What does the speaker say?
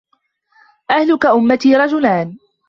أَهْلَكُ أُمَّتِي رَجُلَانِ